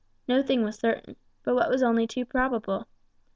No thing was certain; but what was only too probable?